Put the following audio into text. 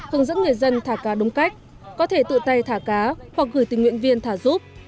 hướng dẫn người dân thả cá đúng cách có thể tự tay thả cá hoặc gửi tình nguyện viên thả giúp